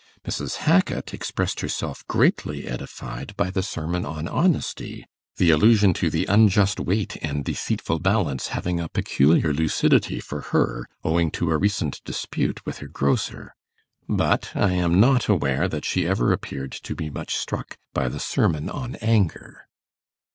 Mrs. Hackit expressed herself greatly edified by the sermon on honesty, the allusion to the unjust weight and deceitful balance having a peculiar lucidity for her, owing to a recent dispute with her grocer; but I am not aware that she ever appeared to be much struck by the sermon on anger.